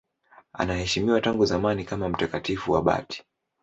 Anaheshimiwa tangu zamani kama mtakatifu abati.